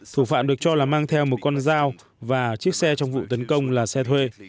thủ phạm được cho là mang theo một con dao và chiếc xe trong vụ tấn công là xe thuê